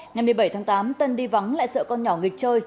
ngày một mươi bảy tháng tám tân đi vắng lại sợ con nhỏ nghịch chơi